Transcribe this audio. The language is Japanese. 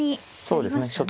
そうですね。